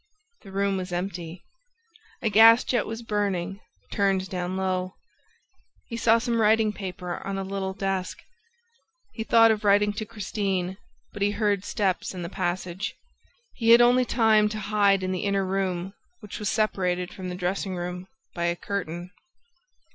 The room was empty. A gas jet was burning, turned down low. He saw some writing paper on a little desk. He thought of writing to Christine, but he heard steps in the passage. He had only time to hide in the inner room, which was separated from the dressing room by a curtain.